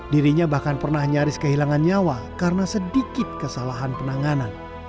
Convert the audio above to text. dirinya bahkan pernah nyaris kehilangan nyawa karena sedikit kesalahan penanganan